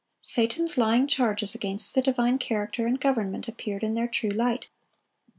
Satan's lying charges against the divine character and government appeared in their true light.